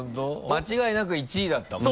間違いなく１位だったもん。